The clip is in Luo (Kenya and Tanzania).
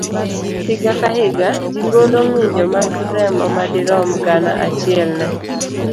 Higa ka higa, ji golo ng'injo mag remo madirom gana achiel ne